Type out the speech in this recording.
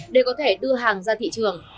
để có thể đưa hàng ra thị trường